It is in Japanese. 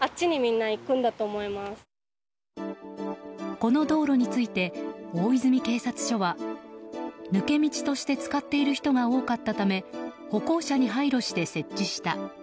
この道路について大泉警察署は抜け道として使っている人が多かったため歩行者に配慮して設置した。